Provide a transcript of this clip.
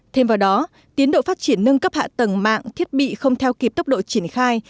thêm vào đó tiến độ phát triển nâng cấp hạ tầng mạng thiết bị không theo kịp tốc độ triển khai